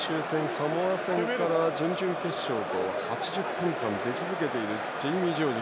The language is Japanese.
サモア戦から準々決勝で８０分間出続けているジェイミー・ジョージ